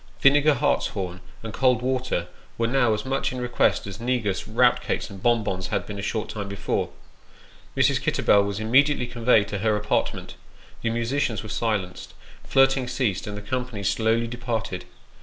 Vinegar, hartshorn, and cold water, were now as much in request as negus, rout cakes, and bon bons had been a short time before. Mrs. Kitterbell was immediately conveyed to her apartment, the musicians were silenced, flirting ceased, and the company slowly departed.